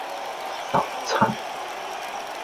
十七